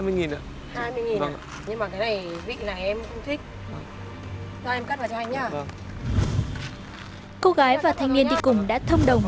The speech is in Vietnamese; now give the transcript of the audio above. bà bái và thanh niên đi cùng đã thông đồng